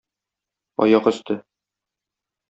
Аяк өсте